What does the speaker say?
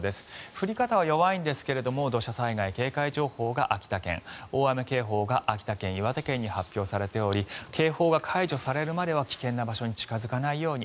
降り方は弱いんですが土砂災害警戒情報が秋田県大雨警報が秋田県、岩手県に発表されており警報が解除されるまでは危険な場所に近付かないように。